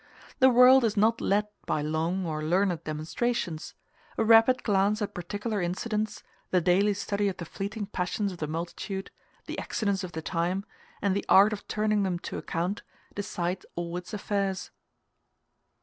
The world is not led by long or learned demonstrations; a rapid glance at particular incidents, the daily study of the fleeting passions of the multitude, the accidents of the time, and the art of turning them to account, decide all its affairs.